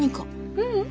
ううん。